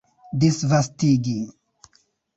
disvastigi